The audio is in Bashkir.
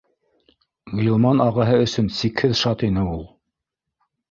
Ғилман ағаһы өсөн сикһеҙ шат ине ул